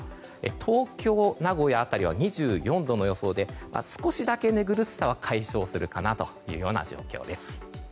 東京、名古屋辺りは２４度の予想で少しだけ寝苦しさは解消するかなという状況です。